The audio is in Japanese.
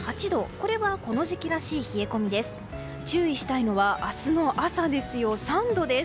これはこの時期らしい冷え込みです。